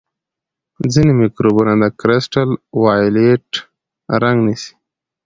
ځینې مکروبونه د کرسټل وایولېټ رنګ نیسي.